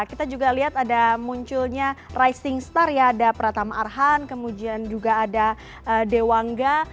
kita juga lihat ada munculnya rising star ya ada pratama arhan kemudian juga ada dewangga